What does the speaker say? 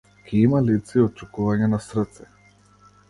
Ќе има лица и отчукувања на срце.